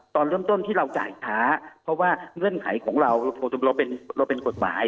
ตอนเริ่มต้นที่เราจ่ายช้าเพราะว่าเงื่อนไขของเราเราเป็นกฎหมาย